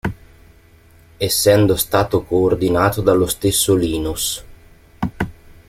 Essendo stato coordinato dallo stesso Linus.